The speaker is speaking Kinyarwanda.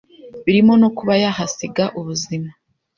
birimo no kuba yahasiga ubuzima